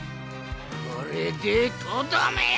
これでとどめや！